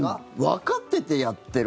わかっててやってる